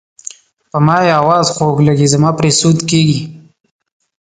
په ما یې اواز خوږ لګي زما پرې سود کیږي.